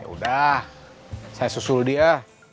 udah saya susul dia